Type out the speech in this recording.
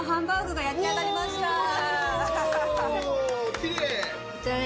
きれい！